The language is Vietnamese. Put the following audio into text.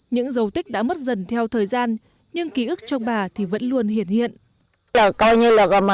những dấu tích đã mất dần theo thời gian nhưng ký ức trong bà thì vẫn lưu